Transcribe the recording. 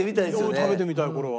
食べてみたいこれは。